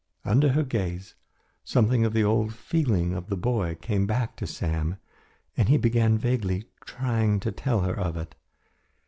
Under her gaze, something of the old feeling of the boy came back to Sam, and he began vaguely trying to tell her of it.